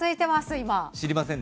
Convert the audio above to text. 今。